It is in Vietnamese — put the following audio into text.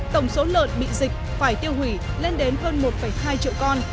tổng số lợn bị dịch phải tiêu hủy lên đến hơn một hai triệu con